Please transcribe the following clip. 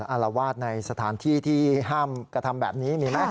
อารวาสในสถานที่ที่ห้ามกระทำแบบนี้มีไหม